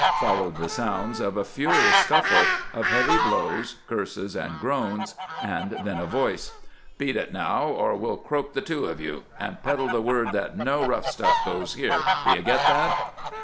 Followed the sounds of a furious scuffle, of heavy blows, curses and groans, then a voice: "Beat it now or we'll croak the two of you! And peddle the word that no rough stuff goes here. Do you get that?"